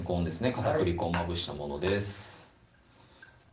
片栗粉をまぶしたものです